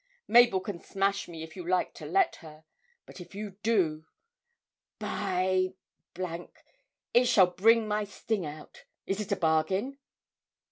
Mabel can smash me if you like to let her, but if you do, by it shall bring my sting out! Is it a bargain?'